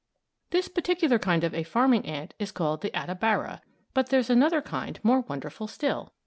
] This particular kind of a farming ant is called the Attabara, but there's another kind more wonderful still.